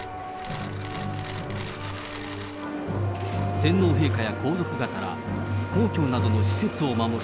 天皇陛下や皇族方ら、皇居などの施設を守る